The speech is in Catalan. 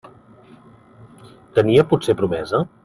Tenia, potser, promesa?